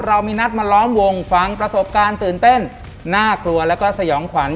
เรามีนัดมาล้อมวงฟังประสบการณ์ตื่นเต้นน่ากลัวแล้วก็สยองขวัญ